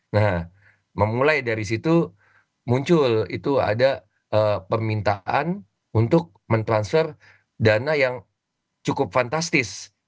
nah memulai dari situ muncul itu ada permintaan untuk mentransfer dana yang cukup fantastis